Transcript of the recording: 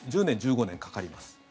１０年、１５年かかります。